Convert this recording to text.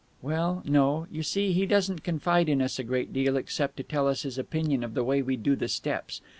"Well, no. You see, he doesn't confide in us a great deal, except to tell us his opinion of the way we do the steps.